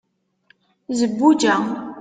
zebbuǧa